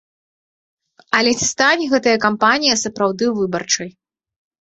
Але ці стане гэтая кампанія сапраўды выбарчай?